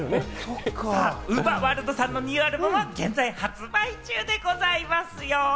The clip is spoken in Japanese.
ＵＶＥＲｗｏｒｌｄさんのニューアルバムは現在発売中でございますよ。